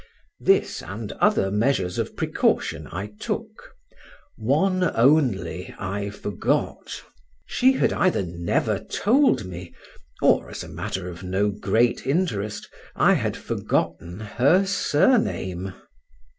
This and other measures of precaution I took; one only I forgot. She had either never told me, or (as a matter of no great interest) I had forgotten her surname.